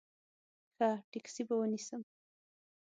ښه ټیکسي به ونیسم.